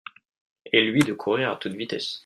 Et lui de courrir à toute vitesse.